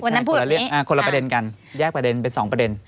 แยกประเด็นกันแยกประเด็นเป็น๒ประเด็น